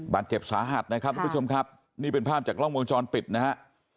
บาดเจ็บสาหัสนะครับทุกผู้ชมครับนี่เป็นภาพจากกล้องวงจรปิดนะฮะ